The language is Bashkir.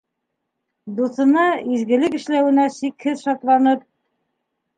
Дуҫына изгелек эшләүенә сикһеҙ шатланып: